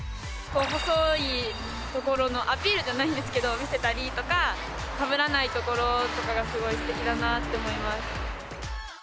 細いところのアピールじゃないんですけど見せたりとかかぶらないところとかがすごいすてきだなって思います。